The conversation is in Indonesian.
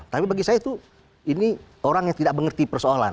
tapi bagi saya itu ini orang yang tidak mengerti persoalan